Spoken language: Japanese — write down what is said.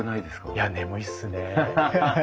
いや眠いっすね。